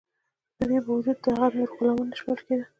د دې باوجود هغوی نور غلامان نه شمیرل کیدل.